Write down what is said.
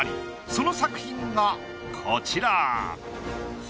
その作品がこちら。